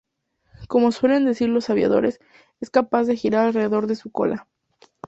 Como suelen decir los aviadores, "es capaz de girar alrededor de su cola".